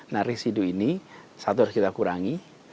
nah residu ini satu harus kita kurangi